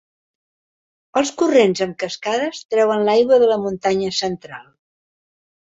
Els corrents amb cascades treuen l'aigua de la muntanya central.